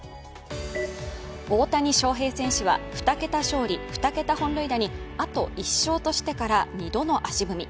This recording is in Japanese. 大谷翔平選手は２桁勝利２桁本塁打にあと１勝としてから２度の足踏み。